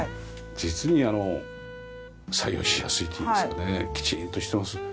実にあの作業しやすいといいますかねきちんとしてます。